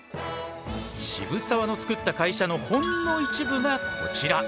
渋沢のつくった会社のほんの一部がこちら。